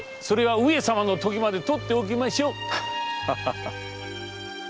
それは上様のときまでとっておきましょう！